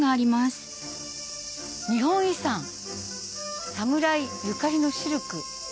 「日本遺産サムライゆかりのシルク」。